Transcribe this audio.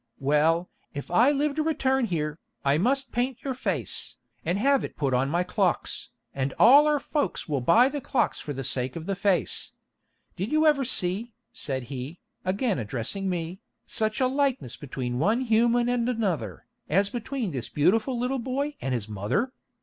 "Well, if I live to return here, I must paint your face, and have it put on my clocks, and our folks will buy the clocks for the sake of the face. Did you ever see," said he, again addressing me, "such a likeness between one human and another, as between this beautiful little boy and his mother?"